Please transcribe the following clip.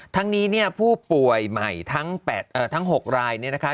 ทั้งนี้เนี่ยผู้ป่วยใหม่ทั้ง๖รายเนี่ยนะคะ